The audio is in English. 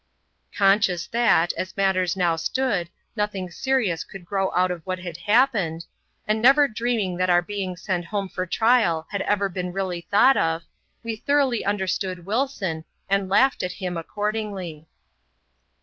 Conscious that, as matters now stood, nothing serious coul<} grow out of what had happened ; and never dreaming that our being sent home for trial had ever been really thought of^ we thoroughly understood Wilson, and laughed at him accordingly.